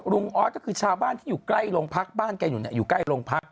ออสก็คือชาวบ้านที่อยู่ใกล้โรงพักบ้านแกอยู่เนี่ยอยู่ใกล้โรงพัก